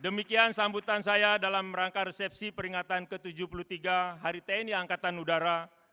demikian sambutan saya dalam rangka resepsi peringatan ke tujuh puluh tiga hari tni angkatan udara